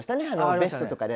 ベストとかで。